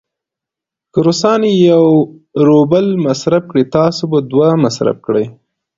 که روسان یو روبل مصرف کړي، تاسې به دوه مصرف کړئ.